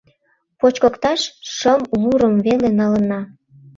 — Почкыкташ шымлурым веле налына.